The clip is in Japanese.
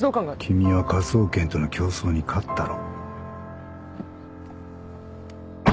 君は科捜研との競争に勝ったろ。